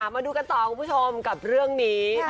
มาดูกันต่อคุณผู้ชมกับเรื่องนี้